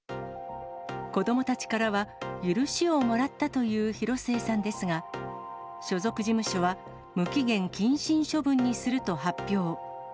子どもたちからは許しをもらったという広末さんですが、所属事務所は、無期限謹慎処分にすると発表。